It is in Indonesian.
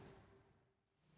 pada saat itu